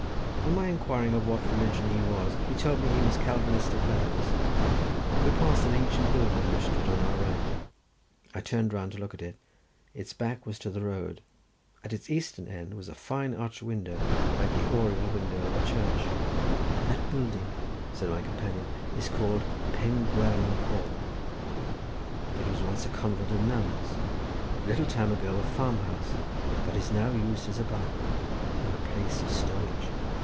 On my inquiring of what religion he was, he told me he was a Calvinistic Methodist. We passed an ancient building which stood on our right. I turned round to look at it. Its back was to the road: at its eastern end was a fine arched window like the oriel window of a church. "That building," said my companion, "is called Pengwern Hall. It was once a convent of nuns; a little time ago a farm house, but is now used as a barn, and a place of stowage.